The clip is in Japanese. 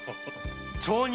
町人。